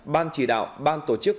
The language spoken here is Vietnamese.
ban chỉ đạo ban tổ chức